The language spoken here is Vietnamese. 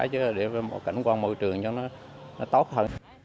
chứ là để một cảnh quan môi trường cho nó tốt hơn